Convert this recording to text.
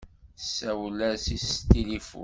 Tessawel-as s tilifun.